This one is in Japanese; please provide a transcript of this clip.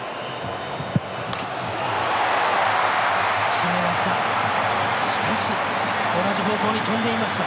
決めました。